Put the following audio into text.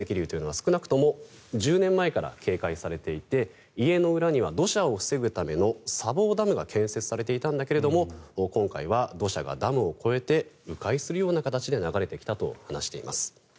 被災した住民の方に話を聞きますとこの土砂崩れ、土石流というのは少なくとも１０年前から警戒されていて家の裏には土砂を防ぐための砂防ダムが建設されていたんだけれど今回は土砂がダムを超えて迂回するような形で流れてきたと話しています。